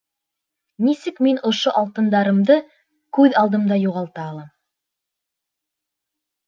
Нисек мин ошо алтындарымды... күҙ алдымда юғалта алам.